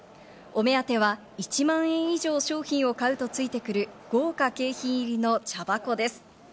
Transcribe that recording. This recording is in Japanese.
お目当ては１万円以上商品を買うとついてくる豪華景品入りの茶箱です。